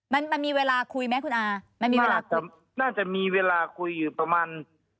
มันมันมีเวลาคุยไหมคุณอามันมีเวลาคุยน่าจะมีเวลาคุยอยู่ประมาณ